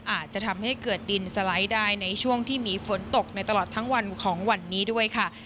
อาจจะทำให้เกิดดินสไลด์ได้ในช่วงที่มีฝนตกในตลอดทั้งวันของวันนี้ด้วยค่ะ